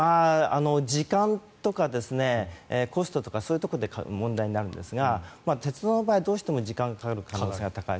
時間とか、コストとかそういうところで問題になるんですが鉄道の場合、どうしても時間がかかる可能性が高い。